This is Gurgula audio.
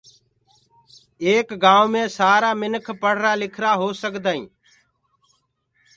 ايڪ گآئونٚ مي سآرآ منک پڙهرآ لکِرآ هو سگدآئينٚ